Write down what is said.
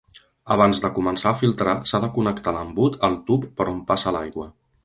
Abans de començar a filtrar s'ha de connectar l'embut al tub per on passa l'aigua.